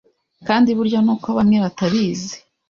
kandi burya nuko bamwe batabizi,